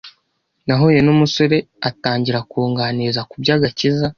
nahuye n’umusore atangira kunganiriza ku by’agakiza